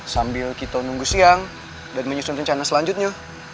sambil kita nunggu siang dan menyusun rencana selanjutnya